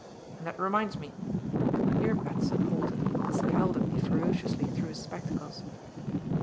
And that reminds me " here Batson halted and scowled at me ferociously through his spectacles.